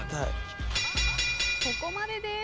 そこまでです。